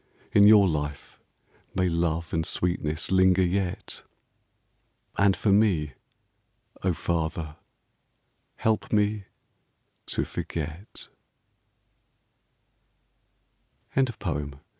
In your life may love and sweetness Linger yet. And for me — O Father, help me To forget